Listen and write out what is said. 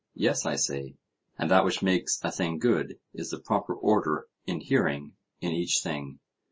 Yes, I say. And that which makes a thing good is the proper order inhering in each thing?